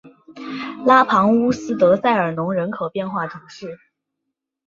拉庞乌斯德塞尔农人口变化图示